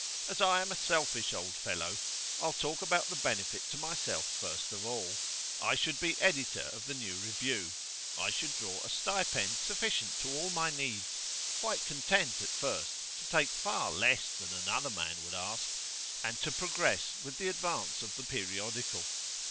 As I am a selfish old fellow, I'll talk about the benefit to myself first of all. I should be editor of the new review; I should draw a stipend sufficient to all my needs quite content, at first, to take far less than another man would ask, and to progress with the advance of the periodical.